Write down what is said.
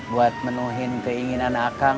buat menuhin keinginan akang